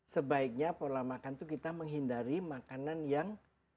sebaiknya pola makan itu kita menghindari makanan yang